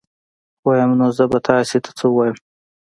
وام نو زه به تاسي ته څه ووایم